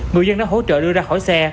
người dân đã hỗ trợ đưa ra khỏi xe